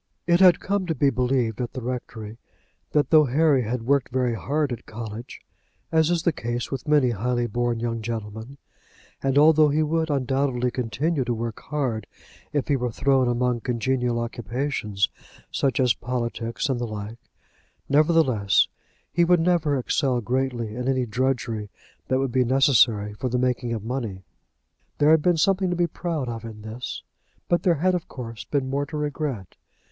It had come to be believed at the rectory that though Harry had worked very hard at college, as is the case with many highly born young gentlemen, and though he would, undoubtedly, continue to work hard if he were thrown among congenial occupations, such as politics and the like, nevertheless, he would never excel greatly in any drudgery that would be necessary for the making of money. There had been something to be proud of in this, but there had, of course, been more to regret.